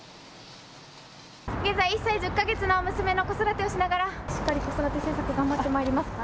現在、１歳１０か月の娘の子育てをしながらしっかり子育て政策、頑張ってまいります。